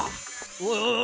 おいおい